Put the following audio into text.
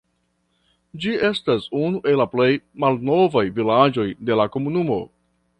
Ĝi estas unu el la plej malnovaj vilaĝoj de la komunumo.